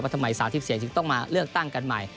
ว่าทำไมสาธิบเสียจึงต้องมาเลือกตั้งกันใหม่